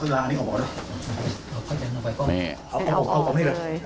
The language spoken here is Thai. อืม